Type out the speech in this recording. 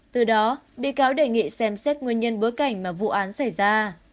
từ đó bị cáo đề nghị xem xét nguyên nhân bối cảnh mà vụ án xảy ra